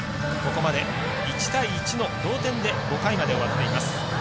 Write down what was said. ここまで、１対１の同点で５回まで終わっています。